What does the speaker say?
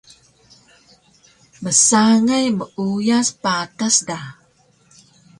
Msangay meuays patas da